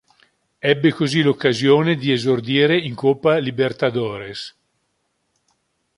Ebbe così l'occasione di esordire in Coppa Libertadores.